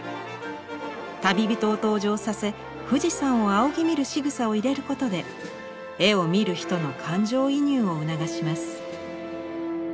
旅人を登場させ富士山を仰ぎ見るしぐさを入れることで絵を見る人の感情移入を促します。